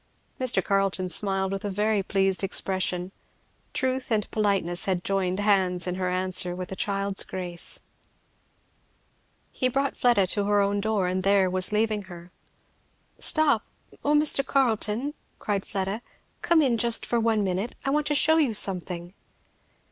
Mr. Carleton smiled with a very pleased expression. Truth and politeness had joined hands in her answer with a child's grace. He brought Fleda to her own door and there was leaving her. "Stop! O Mr. Carleton," cried Fleda, "come in just for one minute I want to shew you something."